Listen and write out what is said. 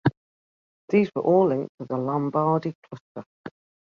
These were all linked to the Lombardy cluster.